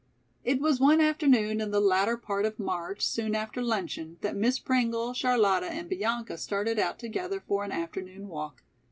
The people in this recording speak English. It was one afternoon in the latter part of March soon after luncheon that Miss Pringle, Charlotta and Bianca started out together for an afternoon walk.